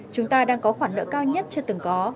chúng ta đang có khoản nợ cao nhất chưa từng có